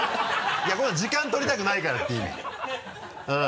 いや時間取りたくないからって意味。